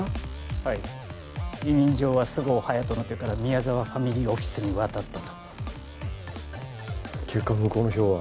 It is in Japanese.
はい委任状は菅生隼人の手から宮沢ファミリーオフィスに渡ったと結果向こうの票は？